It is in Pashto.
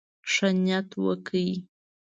ښه نيت وکړئ.